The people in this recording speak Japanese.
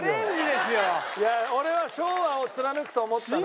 俺は昭和を貫くと思ったのよ。